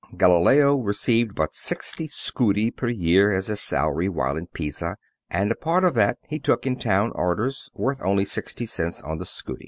Galileo received but sixty scudi per year as his salary while at Pisa, and a part of that he took in town orders, worth only sixty cents on the scudi.